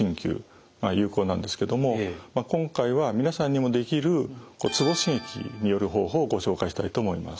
鍼灸が有効なんですけども今回は皆さんにもできるツボ刺激による方法をご紹介したいと思います。